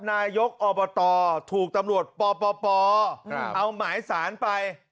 นายกอบตถูกตำรวจปปเอาหมายสารไป